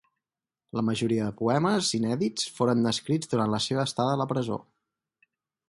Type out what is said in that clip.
La majoria de poemes inèdits foren escrits durant la seva estada a la presó.